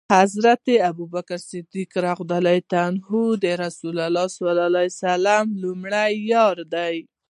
حضرت ابوبکر ص د رسول الله ص لمړی یار دی